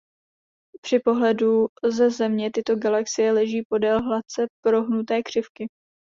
Při pohledu ze Země tyto galaxie leží podél hladce prohnuté křivky.